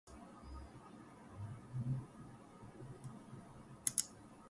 All computer users are of positive opinion on computers.